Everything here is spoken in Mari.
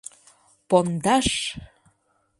Пондаш!